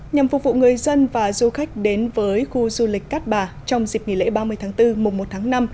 nhằm phục vụ người dân và du khách đến với khu du lịch cát bà trong dịp nghỉ lễ ba mươi tháng bốn mùa một tháng năm